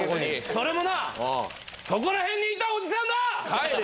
それもなそこら辺にいたおじさんだ！